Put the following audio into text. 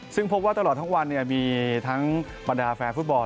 ซึ่งพบว่าตลอดทั้งวันมีทั้งบรรดาแฟนฟุตบอล